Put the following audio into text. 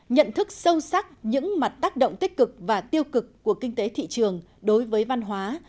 nhận thức sâu sắc những mặt tác động tích cực và tiêu cực của kinh tế thị trường đối với văn hóa